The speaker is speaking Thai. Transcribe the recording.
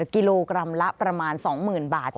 กิโลกรัมละประมาณสองหมื่นบาท